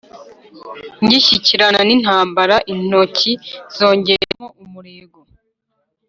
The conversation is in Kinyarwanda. Ngishyikirana n’intambara intoki nzongeramo umurego,